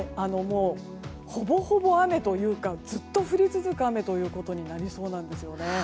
ほぼほぼ雨というかずっと降り続く雨ということになりそうなんですよね。